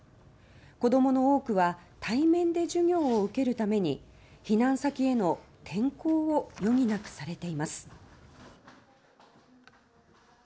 子どもの多くは対面で授業を受けるために避難先への転校を余儀なくされています。